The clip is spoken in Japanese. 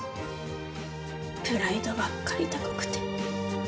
プライドばっかり高くて。